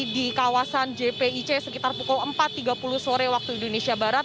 di kawasan jpic sekitar pukul empat tiga puluh sore waktu indonesia barat